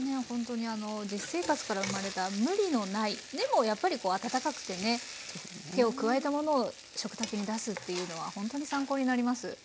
ほんとにあの実生活から生まれた無理のないでもやっぱりこう温かくてね手を加えたものを食卓に出すっていうのはほんとに参考になります。